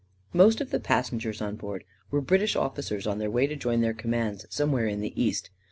Most of the passengers on board were British officers on their way to join their commands some where in the east.